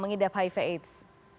mengidap hiv aids